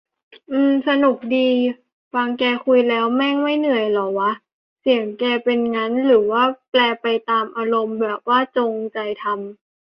อืม หนุกดี ฟังแกคุยแล้ว แม่งไม่เหนื่อยเหรอไงวะ เสียงแกเป็นงั้น ? หรือว่าแปรไปตามอารมณ์ ? แบบว่าจงใจทำ ?